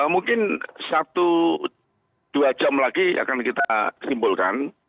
mungkin satu dua jam lagi akan kita simpulkan